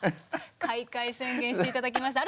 開会宣言して頂きました。